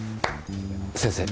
先生。